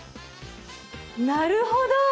なるほど！